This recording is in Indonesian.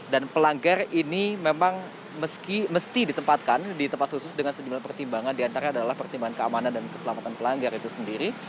dan pelanggar ini memang mesti ditempatkan di tempat khusus dengan sejumlah pertimbangan di antara adalah pertimbangan keamanan dan keselamatan pelanggar itu sendiri